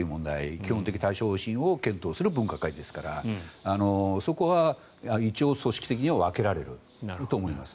基本的対処方針を検討する分科会ですからそこは一応、組織的には分けられると思います。